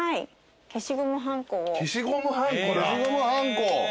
消しゴムはんこだ。